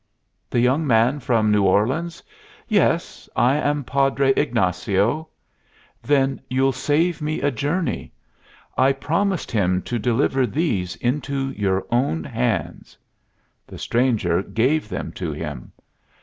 "The young man from New Orleans? Yes. I am Padre Ignacio." "Then you'll save me a journey. I promised him to deliver these into your own hands." The stranger gave them to him.